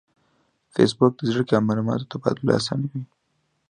فېسبوک د زده کړې او معلوماتو تبادله آسانوي